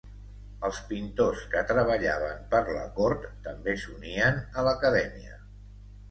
Els pintors que treballaven per la cort també s'unien a l'acadèmia.